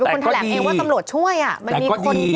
มันไม่ได้ให้ราชิการออกให้